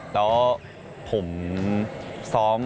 แล้วผมซ้อม